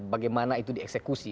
bagaimana itu dieksekusi